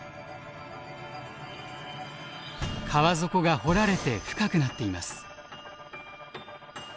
川底が掘られて深くなっています。